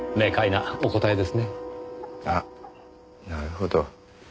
あっなるほど。